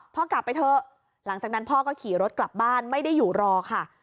กลับไปเถอะหลังจากนั้นพ่อก็ขี่รถกลับบ้านไม่ได้อยู่รอค่ะ